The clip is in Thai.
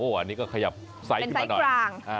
อันนี้ก็ขยับไซส์ขึ้นมาหน่อยเป็นไซส์กลาง